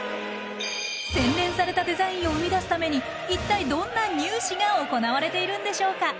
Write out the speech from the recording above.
洗練されたデザインを生み出すために一体どんなニュー試が行われているんでしょうか？